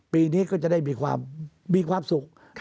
ปีนี้ก็จะได้มีความมีความสุข